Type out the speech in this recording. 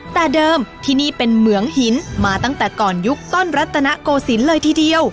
แต่เดิมที่นี่เป็นเหมืองหินมาตั้งแต่ก่อนยุคต้นรัตนโกศิลป์เลยทีเดียว